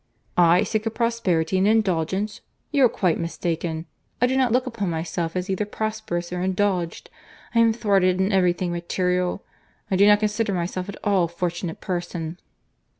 "I sick of prosperity and indulgence! You are quite mistaken. I do not look upon myself as either prosperous or indulged. I am thwarted in every thing material. I do not consider myself at all a fortunate person."